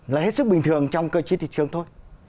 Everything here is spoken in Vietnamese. là hết sức bình thường trong cơ chế thị trường thôi